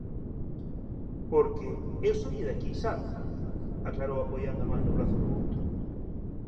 porque..., eu sonlle de aquí, ¿sabe? _aclarou apoiando a man no brazo do outro_;